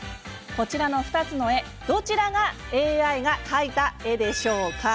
こちらの２つの絵、どちらがＡＩが描いた絵でしょうか？